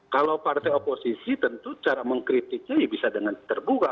kalau partai oposisi tentu cara mengkritiknya ya bisa dengan terbuka